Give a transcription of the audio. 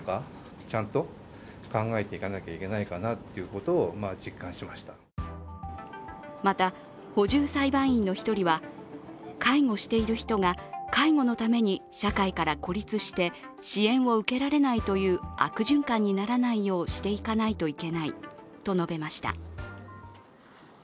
事件を審理した裁判員はまた、補充裁判員の１人は、介護している人が介護のために社会から孤立して、支援を受けられないという悪循環にならないようしていかないといけないと述べました。